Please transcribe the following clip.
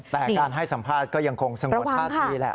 แต่การให้สัมภาษณ์ก็ยังคงสงวนท่าทีแหละ